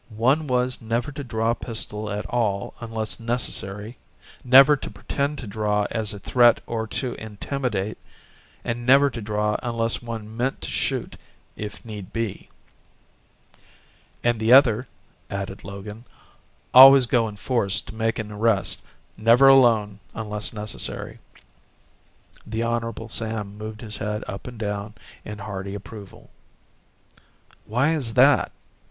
One was never to draw a pistol at all unless necessary, never to pretend to draw as a threat or to intimidate, and never to draw unless one meant to shoot, if need be. "And the other," added Logan, "always go in force to make an arrest never alone unless necessary." The Hon. Sam moved his head up and down in hearty approval. "Why is that?"